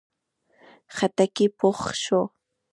خټکی پوخ شو.